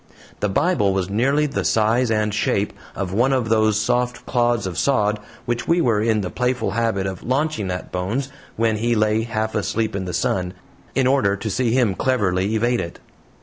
The Bible was nearly the size and shape of one of those soft clods of sod which we were in the playful habit of launching at Bones when he lay half asleep in the sun, in order to see him cleverly evade it.